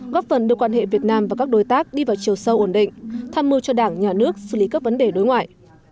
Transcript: góp phần đưa quan hệ việt nam và các đối tác đi vào chiều sâu ổn định tham mưu cho đảng nhà nước xử lý các vấn đề đối ngoại